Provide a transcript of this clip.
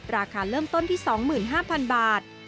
ราคาเริ่มต้นที่๒๕๐๐๐บาท